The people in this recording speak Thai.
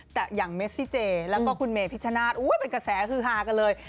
แต่อย่างเมซิเจแล้วก็คุณเมพิชชนาธิ์เป็นกระแสคือฮากันเลย